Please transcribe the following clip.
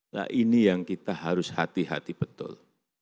nah ini yang kita harus hati hati betul